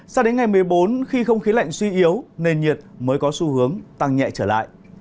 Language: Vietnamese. sao đến ngày một mươi bốn khi không khí lạnh suy yếu nền nhiệt mới có xu hướng tăng nhẹ trở lại